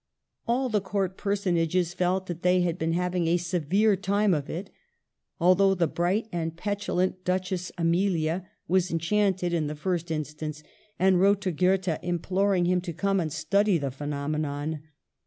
All the Court personages felt that they had been having a severe time of it; although the bright and petulant Duchess Amelia was enchanted in the first instance, and wrote to Goethe imploring him to come and study the phenomenon.